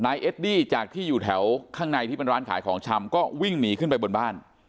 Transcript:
เอดดี้จากที่อยู่แถวข้างในที่เป็นร้านขายของชำก็วิ่งหนีขึ้นไปบนบ้าน